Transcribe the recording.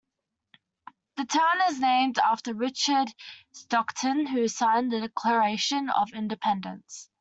The town is named after Richard Stockton, who signed the Declaration of Independence.